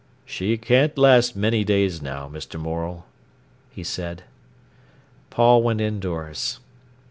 "She can't last many days now, Mr. Morel," he said. Paul went indoors.